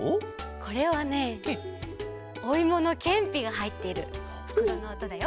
これはねおいものけんぴがはいってるふくろのおとだよ。